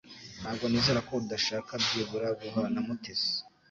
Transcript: Ntabwo nizera ko udashaka byibura guhura na Mutesi